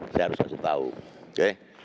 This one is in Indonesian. saya harus kasih tahu oke